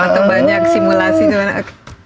atau banyak simulasi gimana